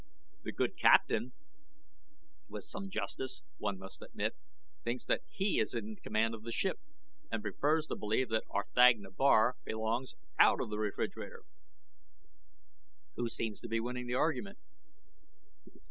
The good captain, with some justice, one must admit, thinks that he is in command of the ship, and prefers to believe that R'thagna Bar belongs out of the refrigerator." "Who seems to be winning the argument?"